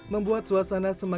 membuat suasana semangat